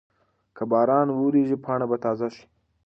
که باران وورېږي پاڼه به تازه شي.